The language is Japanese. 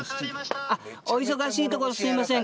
お忙しいところすいません。